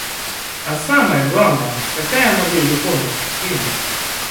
А самое главное: какая модель реформы осуществима?